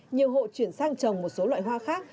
nhiều hộ chuyển sang trồng một số loại hoa khác